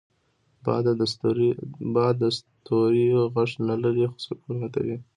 باد د ستوریو غږ نه لري، خو سکون ماتوي